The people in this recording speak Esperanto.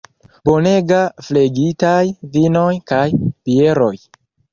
Bonega flegitaj vinoj kaj bieroj.